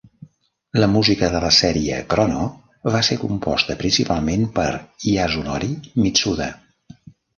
La música de la sèrie "Chrono" va ser composta principalment per Yasunori Mitsuda.